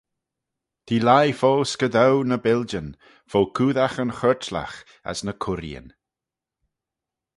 T'eh lhie fo scadoo ny biljyn, fo coodagh yn chuirtlagh as ny curreeyn.